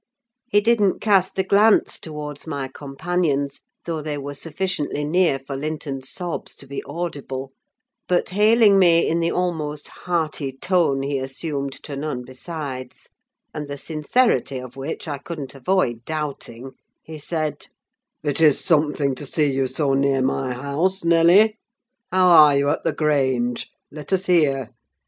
He didn't cast a glance towards my companions, though they were sufficiently near for Linton's sobs to be audible; but hailing me in the almost hearty tone he assumed to none besides, and the sincerity of which I couldn't avoid doubting, he said— "It is something to see you so near to my house, Nelly. How are you at the Grange? Let us hear.